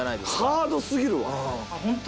ハード過ぎるわ。